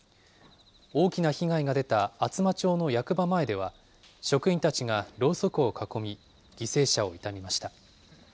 大きな被害が出た厚真町の役場前では、職員たちがろうそくを囲み、犠牲者を悼みました。